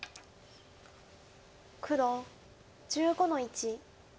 黒１５の一。